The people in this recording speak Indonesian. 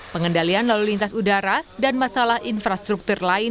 pengendalian lalu lintas udara dan masalah infrastruktur lain